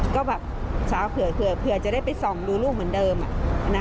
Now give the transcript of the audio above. ก็แบบเผื่อเผื่อเผื่อจะได้ไปส่องดูลูกเหมือนเดิมอ่ะน่ะ